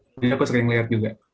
jadi aku sering lihat juga